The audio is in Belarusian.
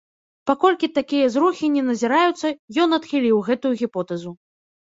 Паколькі такія зрухі не назіраюцца, ён адхіліў гэтую гіпотэзу.